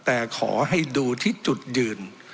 แต่ขอให้ดูที่จุดยืน